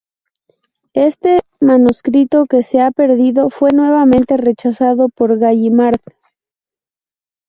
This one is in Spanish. Este manuscrito, que se ha perdido, fue nuevamente rechazado por Gallimard.